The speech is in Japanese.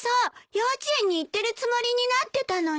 幼稚園に行ってるつもりになってたのに。